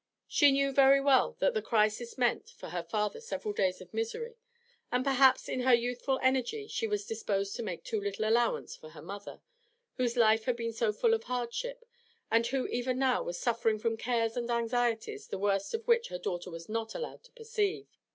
She knew very well that the crisis meant for her father several days of misery, and perhaps in her youthful energy she was disposed to make too little allowance for her mother, whose life had been so full of hardship, and who even now was suffering from cares and anxieties the worst of which her daughter was not allowed to perceive.